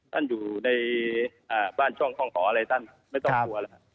ท่านอยู่ในห้องห่อไม่ต้องหัว